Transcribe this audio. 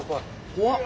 怖っ。